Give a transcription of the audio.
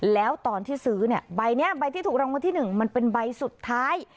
แล้วตอนที่ซื้อเนี่ยใบนี้ใบที่ถูกรางวัลที่๑มันเป็นใบสุดท้าย